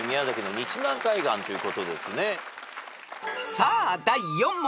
［さあ第４問］